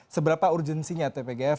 seberapa urgensinya tgpf